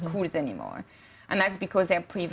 karena mereka terlalu terlalu terhormat